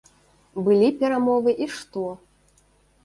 Былі перамовы і што?